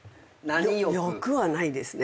欲はないですね。